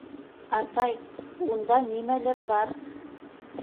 Атай, унда нимәлер бар.